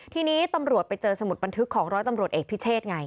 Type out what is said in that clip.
ทีนี้ตำรวจไปเจอสมุดบันทึกของร้อยตำรวจเอกพิเชษไง